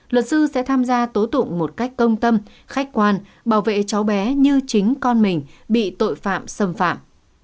luật sư sẽ tham gia tố tụng một cách công tâm khách quan bảo vệ cháu bé như chính con mình bị tội phạm xâm phạm